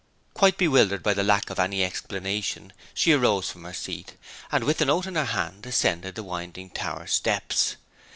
Quite bewildered by the lack of any explanation she rose from her seat, and with the note in her hand ascended the winding tower steps.